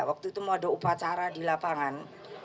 waktu itu mau ada upacara di lapangan